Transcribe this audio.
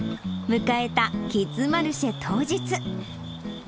迎えたキッズマルシェ当日。